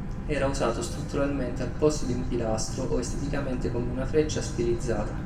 Era usato strutturalmente al posto di un pilastro o esteticamente come una freccia stilizzata.